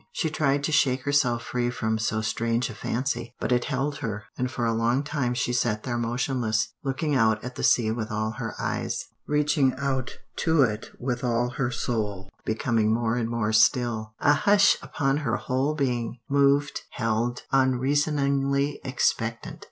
She tried to shake herself free from so strange a fancy, but it held her, and for a long time she sat there motionless, looking out at the sea with all her eyes, reaching out to it with all her soul, becoming more and more still, a hush upon her whole being, moved, held, unreasoningly expectant.